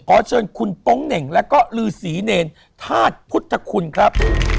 ขอเชิญคุณโป๊งเหน่งแล้วก็ลือศรีเนรธาตุพุทธคุณครับ